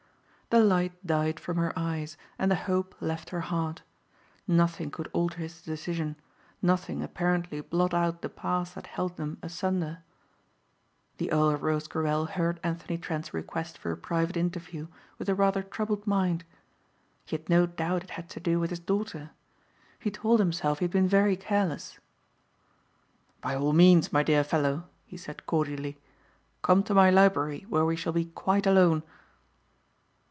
The light died from her eyes and the hope left her heart. Nothing could alter his decision, nothing apparently blot out the past that held them asunder. The Earl of Rosecarrel heard Anthony Trent's request for a private interview with a rather troubled mind. He had no doubt it had to do with his daughter. He told himself he had been very careless. "By all means my dear fellow," he said cordially, "come to my library where we shall be quite alone."